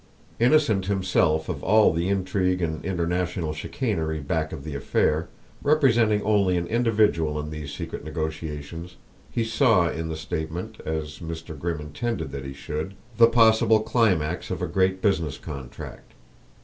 Innocent himself of all the intrigue and international chicanery back of the affair, representing only an individual in these secret negotiations, he saw in the statement, as Mr. Grimm intended that he should, the possible climax of a great business contract.